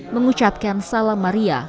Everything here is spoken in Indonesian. mengucapkan salam maria